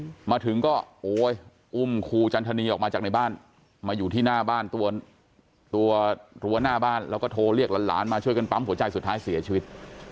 มาถึงก็โอ้ยอุ้มครูจันทนีออกมาจากในบ้านมาอยู่ที่หน้าบ้านตัวตัวรั้วหน้าบ้านแล้วก็โทรเรียกหลานหลานมาช่วยกันปั๊มหัวใจสุดท้ายเสียชีวิต